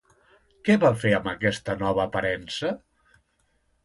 Què va fer amb aquesta nova aparença?